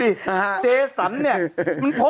ดูสิเจสันนี่มันพก